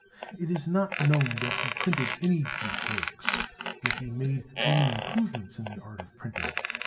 It is not known that he printed any Greek works, yet he made many improvements in the art of printing.